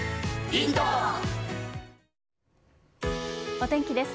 お天気です。